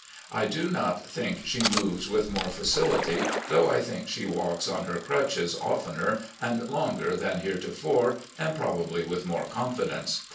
I do not think she moves with more facility, though I think she walks [on her crutches] oftener and longer than here tofore, and probably with more confidence.